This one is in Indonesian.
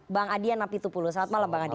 bang adian nafi tupulu selamat malam bang adian